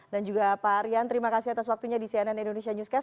dan juga pak rian terima kasih atas waktunya di cnn indonesia newscast